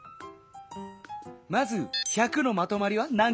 まず１００のまとまりは何こあった？